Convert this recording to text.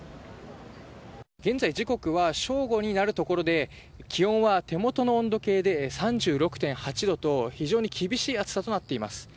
現在時刻は正午になるところで気温は手元の温度計で３６．８度と非常に厳しい暑さとなっています。